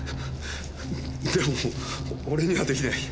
でも俺には出来ない。